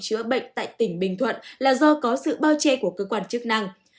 chữa bệnh tại tỉnh bình thuận là do có sự bao che của cơ quan chức năng